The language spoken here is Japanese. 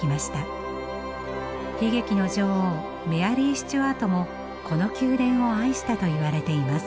悲劇の女王メアリー・スチュアートもこの宮殿を愛したといわれています。